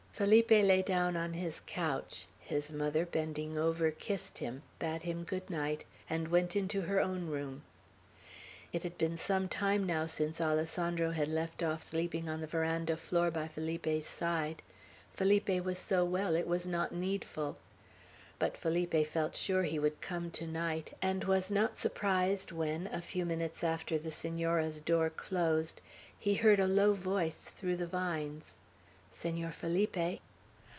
Felipe lay down on his couch; his mother, bending over, kissed him, bade him good night, and went into her own room. It had been some time now since Alessandro had left off sleeping on the veranda floor by Felipe's side. Felipe was so well it was not needful. But Felipe felt sure he would come to night, and was not surprised when, a few minutes after the Senora's door closed, he heard a low voice through the vines, "Senor Felipe?"